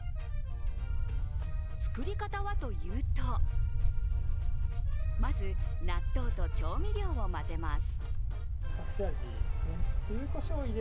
作り方はというと、まず納豆と調味料を混ぜます。